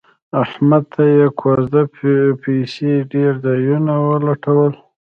احمد ته یې کوزده پسې ډېر ځایونه ولټول